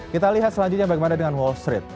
kita lihat selanjutnya bagaimana dengan wall street